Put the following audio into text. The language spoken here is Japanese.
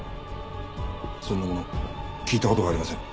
そんなもの聞いた事がありません。